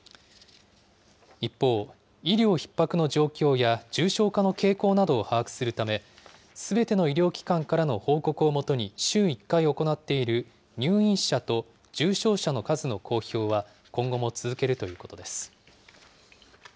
一方、医療ひっ迫の状況や重症化の傾向などを把握するため、すべての医療機関からの報告をもとに週１回行っている入院者と重症者の数の公表は、今後も続けるということです。